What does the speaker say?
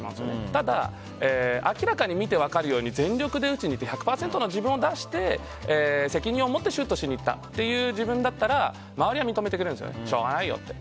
ただ、明らかに見てわかるように全力で打ちにいって１００％の自分を出して、責任を持ってシュートしにいった自分なら周りは認めてくれるんですしょうがないよって。